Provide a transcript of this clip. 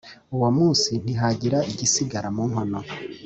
Uwo munsi ntihagira igisigara mu nkono.